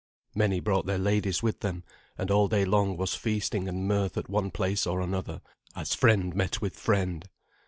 Many brought their ladies with them, and all day long was feasting and mirth at one place or another, as friend met with friend.